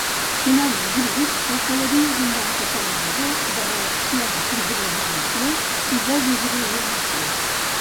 Finament dividit, el pal·ladi és un bon catalitzador de reaccions d'hidrogenació i deshidrogenació.